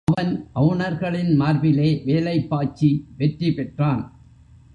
அவன் அவுணர்களின் மார்பிலே வேலைப் பாய்ச்சி வெற்றி பெற்றான்.